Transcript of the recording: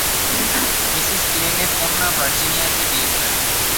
Mrs ক্লেম-এর কন্যা ভার্জিনিয়াকে বিয়ে করেন।